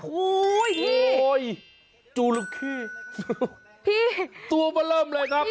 โอ้โหจูลุคิตัวบ้านเริ่มเลยครับ